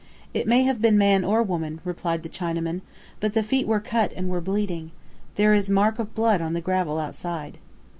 "It may have been man or woman," replied the Chinaman, "but the feet were cut and were bleeding. There is mark of blood on the gravel outside."